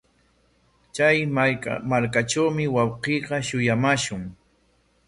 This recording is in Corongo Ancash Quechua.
Chay markatrawmi wawqiyki shuyamaashun.